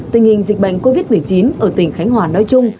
tình hình dịch bệnh covid một mươi chín ở tỉnh khánh hòa nói chung